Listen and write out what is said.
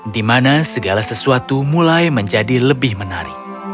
dimana segala sesuatu mulai menjadi lebih menarik